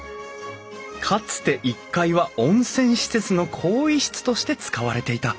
かつて１階は温泉施設の更衣室として使われていた。